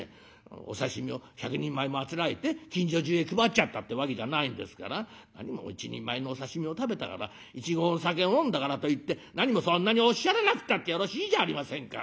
お刺身を１００人前もあつらえて近所中へ配っちゃったってわけじゃないんですから何も一人前のお刺身を食べたから１合のお酒を飲んだからといって何もそんなにおっしゃらなくたってよろしいじゃありませんか」。